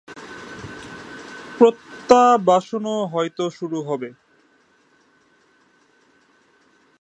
প্রত্যাবাসনও হয়তো শুরু হবে।